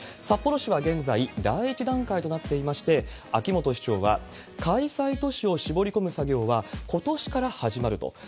札幌市は現在、第１段階となっていまして、秋元市長は、開催都市を絞り込む作業は、ことしから始まると。